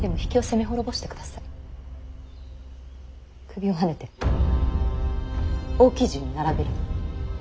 首をはねて大きい順に並べるの。